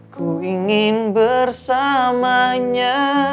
ku ingin bersamanya